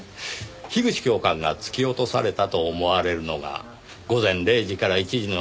樋口教官が突き落とされたと思われるのが午前０時から１時の間。